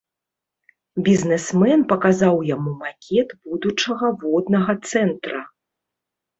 Бізнэсмен паказаў яму макет будучага воднага цэнтра.